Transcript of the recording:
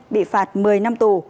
bị phạt một mươi năm tù